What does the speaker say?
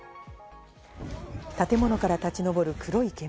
建物から立ち上る黒い煙。